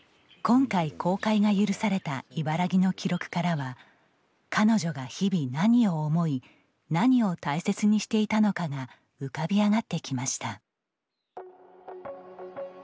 今回公開が許された茨木の記録からは彼女が日々何を思い何を大切にしていたのかが浮かび上がってきました。